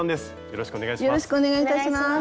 よろしくお願いします。